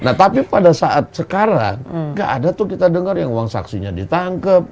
nah tapi pada saat sekarang nggak ada tuh kita dengar yang uang saksinya ditangkap